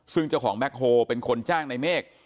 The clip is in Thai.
ซึ่งเจ้าของแบ็คโฮเป็นคนจ้างในเมฆ